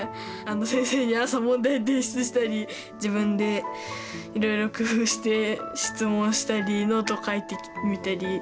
先生に朝問題提出したり自分でいろいろ工夫して質問したりノート書いてみたり。